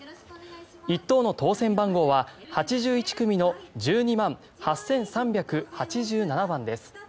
１等の当選番号は８１組の１２８３８７番です。